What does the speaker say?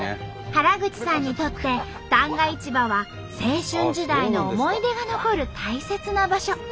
原口さんにとって旦過市場は青春時代の思い出が残る大切な場所。